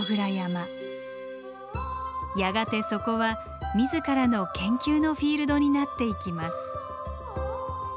やがてそこは自らの研究のフィールドになっていきます。